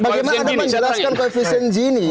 bagaimana kau menjelaskan koefisien gini